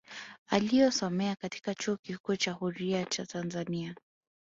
Aliyosomea katika chuo kikuu huria cha Tanzania